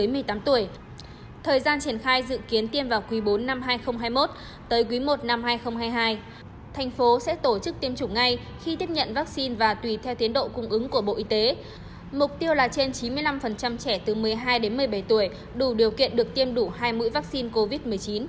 mục tiêu là trên chín mươi năm trẻ từ một mươi hai đến một mươi bảy tuổi đủ điều kiện được tiêm đủ hai mũi vaccine covid một mươi chín